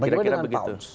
bagaimana dengan pounds